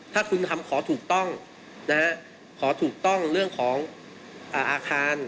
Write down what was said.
ถ้าคุณทำขอถูกต้องขอถูกต้องเรื่องของอาคาร